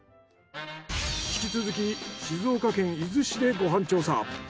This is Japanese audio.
引き続き静岡県伊豆市でご飯調査。